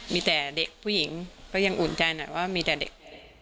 มีแต่เด็กผู้หญิงก็ยังอุ่นใจหน่อยว่ามีแต่เด็ก